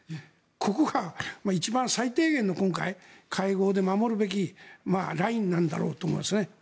ここが一番最低限の今回の会合で守るべきラインなんだろうと思いますね。